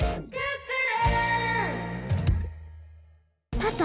パパ！？